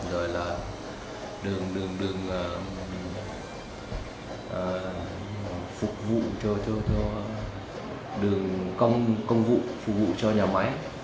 rồi là đường công vụ phục vụ cho nhà máy